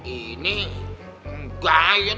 ini enggak ya